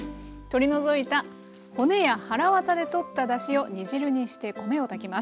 取り除いた骨やはらわたで取っただしを煮汁にして米を炊きます。